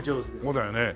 そうだよね。